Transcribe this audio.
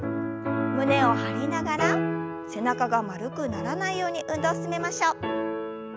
胸を張りながら背中が丸くならないように運動を進めましょう。